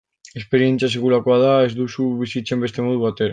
Esperientzia sekulakoa da, ez duzu bizitzen beste modu batera.